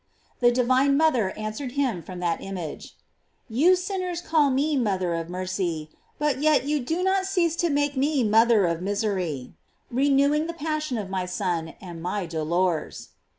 The divine mother an swered him from that image : "You sinners call me mother of mercy, but yet you do not cease t.> make me mother of misery, renewing the pas sion of my Son, and my dolors."